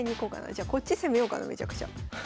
じゃこっち攻めようかなめちゃくちゃ。